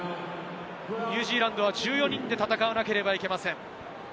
ニュージーランドは１４人で戦わなければいけません。